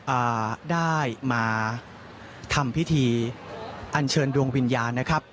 อ่าได้มาทำพิธีอันเชิญดวงวิญญาณนะครับ